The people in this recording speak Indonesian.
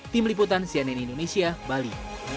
tim liputan cnn indonesia bali